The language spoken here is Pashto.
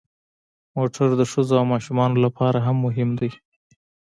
موټر د ښځو او ماشومانو لپاره هم مهم دی.